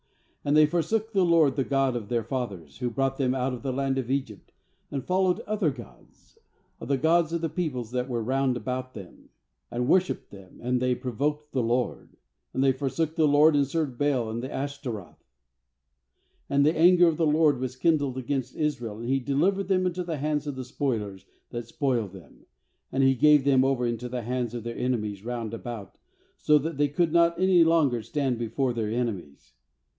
"And they forsook the LORD, the God of "their f athers^who brought them out of the land of gods, of the », and followed other of the peoples that were 'round libout them, and wor shipped them; and they provoked the LORD. 13And they forsook the LORD, and served Baal and the Ash taroth. 14And the anger of the LORD was kindled against Israel, and He delivered them into the hands of spoilers that spoiled them, and He gave them over into the hands of their enemies round about, so that they could not any longer stand before their enemies.